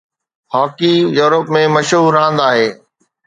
hockey Europe ۾ مشهور راند آهي